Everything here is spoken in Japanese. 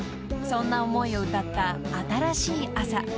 ［そんな思いを歌った『あたらしい朝』］